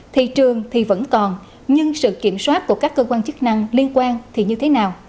thị trường thì vẫn còn nhưng sự kiểm soát của các cơ quan chức năng liên quan thì như thế nào